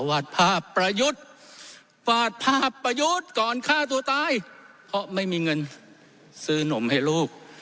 วาดภาพประยุทธ์ก่อนฆ่าตัวตายเพราะไม่มีเงินซื้อนมให้ลูก